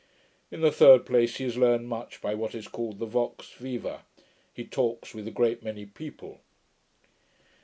In the third place, he has learned much by what is called the vox viva. He talks with a great many people.'